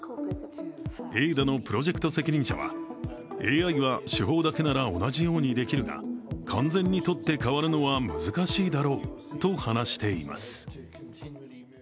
エイダのプロジェクト責任者は、ＡＩは手法だけなら同じようにできるが、完全に取って代わるのは難しいだろうと話しています。